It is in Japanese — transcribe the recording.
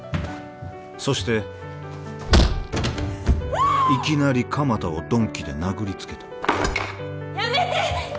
そしていきなり鎌田を鈍器で殴りつけたやめて！